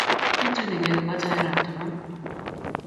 Kitunigei kogatoi arap taman